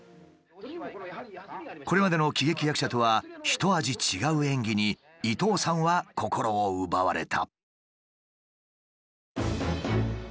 これまでの喜劇役者とはひと味違う演技に伊東さんは心を奪われた。